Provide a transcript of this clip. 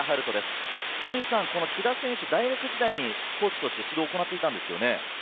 木田選手、大学時代にコーチとして指導されたんですよね？